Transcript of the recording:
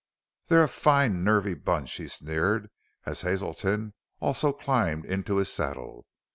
"They're a fine, nervy bunch!" he sneered as Hazelton also climbed into his saddle.